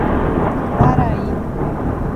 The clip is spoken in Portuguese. Andaraí